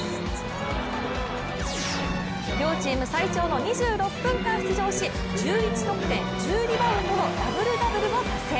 両チーム最長の２６分間出場し、１１得点１０リバウンドのダブルダブルを達成。